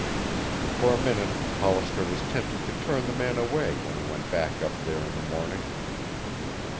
For a minute Hollister was tempted to turn the man away when he went back up there in the morning.